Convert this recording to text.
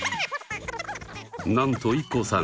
なんとＩＫＫＯさん